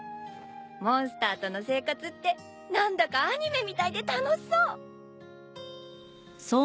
モンスターとの生活って何だかアニメみたいで楽しそう！